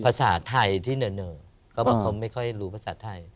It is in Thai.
ภาษาไทยที่เหน่อก็ว่าเขาไม่ค่อยรู้ภาษาไทย